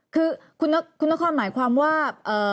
คือคุณนครหมายความว่า